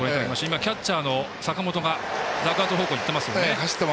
キャッチャーの坂本がダグアウト方向に行ってますよね。